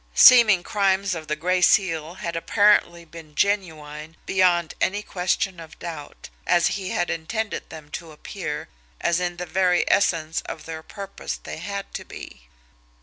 Seeming crimes of the Gray Seal had apparently been genuine beyond any question of doubt, as he had intended them to appear, as in the very essence of their purpose they had to be.